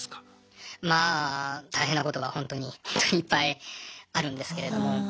まあ大変なことがほんとにほんとにいっぱいあるんですけれども。